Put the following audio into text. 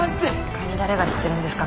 他に誰が知ってるんですか？